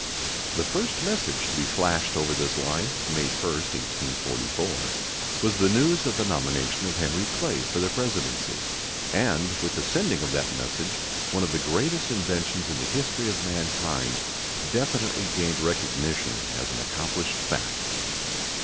The first message to be flashed over this line, May 1, 1844, was the news of the nomination of Henry Clay for the presidency; and with the sending of that message one of the greatest inventions in the history of mankind definitely gained recognition as an accomplished fact.